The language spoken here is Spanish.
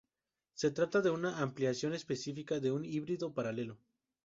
Se trata de una aplicación específica de un híbrido paralelo.